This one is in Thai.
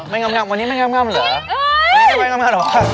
ไม่ง่ำวันนี้ไม่ง่ำเหรอ